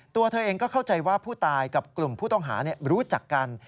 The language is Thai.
ตัวเธอเองก็เข้าใจว่าผู้ตายกับกลุ่มผู้ต้องหารู้จักกัน